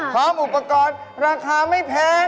พร้อมอุปกรณ์ราคาไม่แพง